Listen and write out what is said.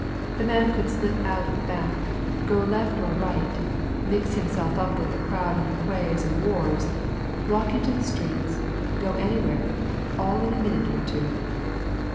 The man could slip out at the back, go left or right, mix himself up with the crowd on the quays and wharves, walk into the streets, go anywhere all in a minute or two."